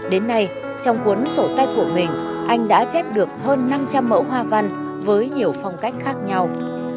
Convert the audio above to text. đến nay trong cuốn sổ tay của mình anh đã chép được hơn năm trăm linh mẫu hoa văn với nhiều phong cách khác nhau